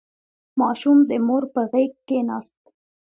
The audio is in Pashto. • ماشوم د مور په غېږ کښېناست.